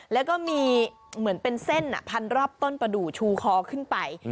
แล้วก็มีเหมือนเป็นเส้นพันรอบต้นประดูกชูคอขึ้นไป